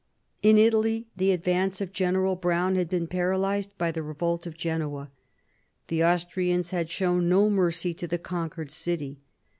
In Italy the advance of General Browne had been paralysed by the revolt of Genoa. The Austrians had shown no mercy to the conquered city.